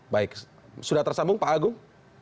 baik sudah tersambung pak agung